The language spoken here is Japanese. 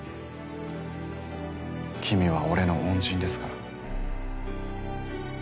君は俺の恩人ですから。